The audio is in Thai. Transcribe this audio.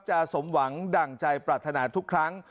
สมหวังดั่งใจปรารถนาทุกครั้ง